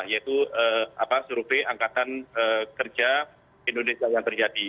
yaitu survei angkatan kerja indonesia yang terjadi